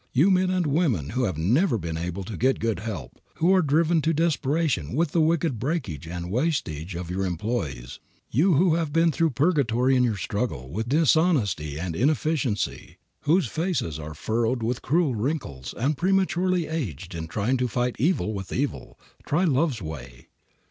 You men and women who have never been able to get good help, who are driven to desperation with the wicked breakage and wastage of your employees; you who have been through purgatory in your struggle with dishonesty and inefficiency, whose faces are furrowed with cruel wrinkles and prematurely aged in trying to fight evil with evil, try love's way.